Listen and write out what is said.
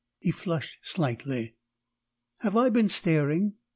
He flushed slightly. "Have I been staring?